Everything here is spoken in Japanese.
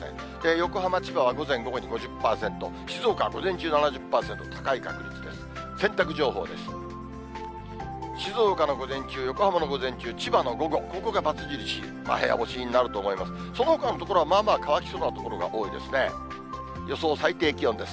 横浜、千葉は午前、午後に５０％、静岡午前中７０％、高い確率です。